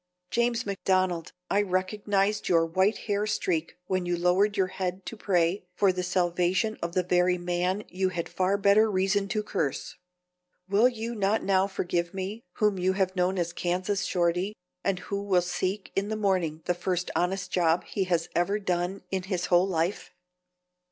James McDonald, I recognized your white hair streak when you lowered your head to pray for the salvation of the very man whom you had far better reason to curse. Will you not now forgive me, whom you have known as Kansas Shorty, and who will seek in the morning the first honest job he has ever done in his whole life?"